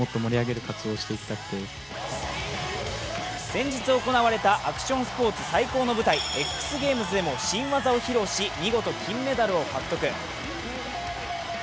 先日行われたアクションスポーツ最高の舞台ＸＧａｍｅｓでも新技を披露し見事、金メダルを獲得。